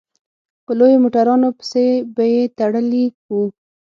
په لویو موټرانو پسې به يې تړلي وو.